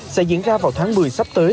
sẽ diễn ra vào tháng một mươi sắp tới